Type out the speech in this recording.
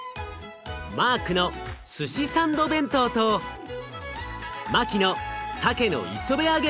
マークのすしサンド弁当とマキのさけの磯辺揚げ弁当。